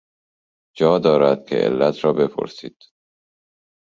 جا دارد که علت را بپرسید.